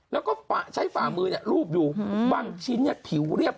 แล้วก็ใช้ฝามือเนี่ยรูปอยู่บางชิ้นเนี่ยผิวเรียบ